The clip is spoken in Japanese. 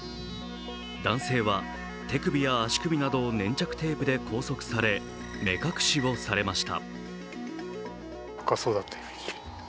男性は手首や足首などを粘着テープで拘束され目隠しをされました。